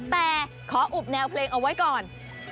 แต่ขออุบแนวเพลงเอาไว้ก่อน